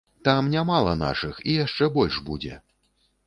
Там не мала нашых і яшчэ больш будзе.